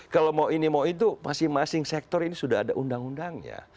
kalau mau ini mau itu masing masing sektor ini sudah ada undang undangnya